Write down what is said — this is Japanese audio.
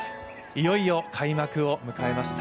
いよいよ開幕を迎えました。